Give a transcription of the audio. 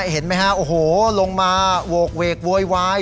เห็นมั้ยฮะโหลงมาโวกเวกววยวาย